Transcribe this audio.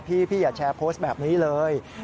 พี่อย่าแชร์โพสต์แบบนี้เลย